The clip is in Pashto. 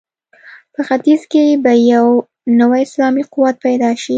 په ختیځ کې به یو نوی اسلامي قوت پیدا شي.